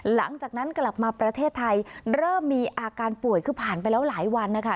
หลังจากนั้นกลับมาประเทศไทยเริ่มมีอาการป่วยคือผ่านไปแล้วหลายวันนะคะ